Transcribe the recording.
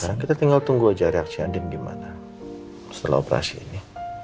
sekarang kita tinggal tunggu aja reaksi andin gimana setelah operasi ini